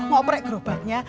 mau oprek gerobaknya